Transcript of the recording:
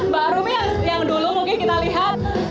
baru yang dulu mungkin kita lihat